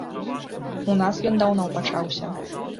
У нас ён даўно пачаўся.